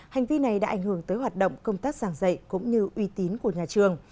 hành vi này đã ảnh hưởng tới hoạt động công tác giảng dạy cũng như uy tín của nhà trường